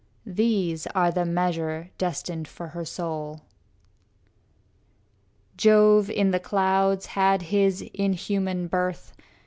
These are the measures destined for her soul. III Jove in the clouds had his inhuman birth.